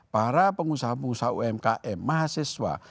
para pengusaha pengusaha umkm mahasiswa